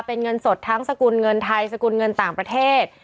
เป็นเงินสดทั้งสกุลเงินไทยสกุลเงินต่างประเทศ